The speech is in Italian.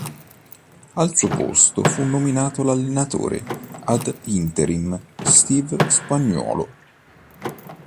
Al suo posto fu nominato allenatore ad interim Steve Spagnuolo.